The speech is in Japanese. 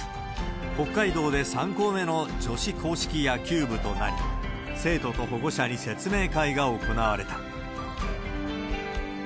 北海道で３校目の女子硬式野球部となり、生徒と保護者に説明会が行われた。